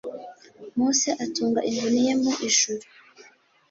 mose atunga inkoni ye mu ijuru